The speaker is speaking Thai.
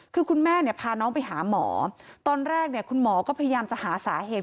คือคุณแม่เนี่ยพาน้องไปหาหมอตอนแรกเนี่ยคุณหมอก็พยายามจะหาสาเหตุ